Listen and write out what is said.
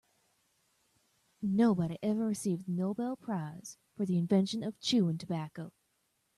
Nobody ever received the Nobel prize for the invention of chewing tobacco.